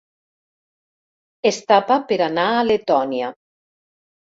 Es tapa per anar a Letònia.